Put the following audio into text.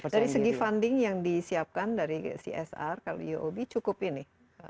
dari segi funding yang disiapkan dari csr kalau uob cukup ini